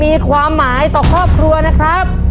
ครอบครัวของแม่ปุ้ยจังหวัดสะแก้วนะครับ